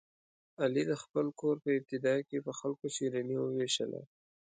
علي د خپل کور په ابتدا کې په خلکو شیریني ووېشله.